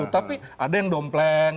tapi ada yang dompleng